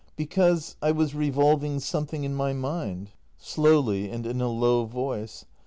Because I was revolving something in my mind. [Slowly, and in a low voice.